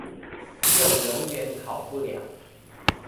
就永遠好不了